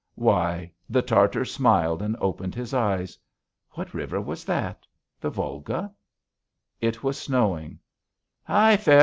Why? The Tartar smiled and opened his eyes. What river was that? The Volga? It was snowing. "Hi!